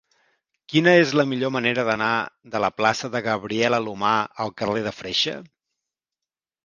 Quina és la millor manera d'anar de la plaça de Gabriel Alomar al carrer de Freixa?